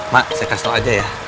mak saya kasih tau aja ya